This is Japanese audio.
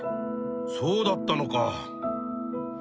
そうだったのか。